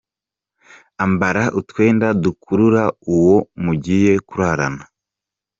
Ambara utwenda dukurura uwo mugiye kurarana.